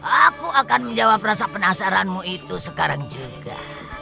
aku akan menjawab rasa penasaranmu itu sekarang juga